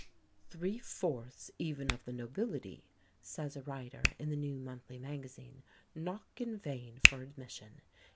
"Three fourths even of the nobility," says a writer in the New Monthly Magazine, "knock in vain for admission.